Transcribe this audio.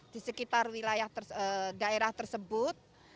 di sekitar wilayah daerah tersebut